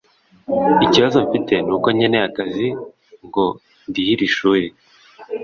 ikibazo mfite nuko nkeneye akazi ngo ndihire ishuri